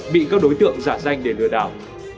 bị các đối tượng giả danh để lừa đảo